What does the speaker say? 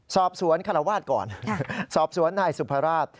สอบสวนคาราวาสก่อนสอบสวนนายสุภาราช